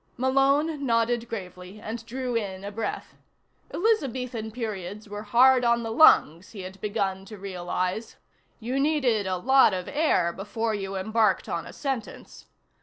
Malone nodded gravely and drew in a breath. Elizabethan periods were hard on the lungs, he had begun to realize: you needed a lot of air before you embarked on a sentence.